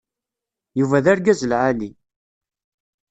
Yuba d argaz n lɛali.